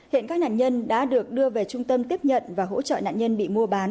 hiện các nạn nhân đã được đưa về trung tâm tiếp nhận và hỗ trợ nạn nhân bị mua bán